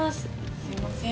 すみません。